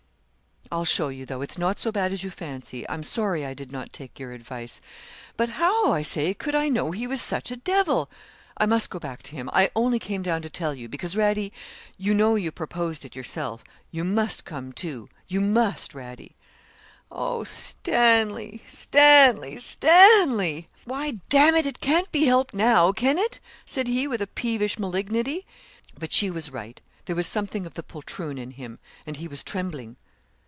'I'll show you, though, it's not so bad as you fancy. I'm sorry I did not take your advice; but how, I say, could I know he was such a devil? I must go back to him. I only came down to tell you, because Radie, you know you proposed it yourself; you must come, too you must, Radie.' 'Oh, Stanley, Stanley, Stanley!' 'Why, d it, it can't be helped now; can it?' said he, with a peevish malignity. But she was right; there was something of the poltroon in him, and he was trembling.